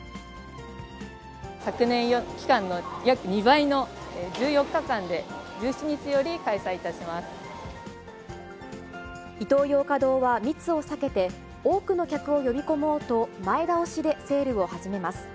昨年期間の約２倍の１４日間イトーヨーカドーは密を避けて、多くの客を呼び込もうと、前倒しでセールを始めます。